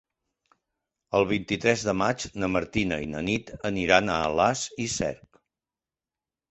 El vint-i-tres de maig na Martina i na Nit aniran a Alàs i Cerc.